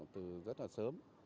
từ rất là sớm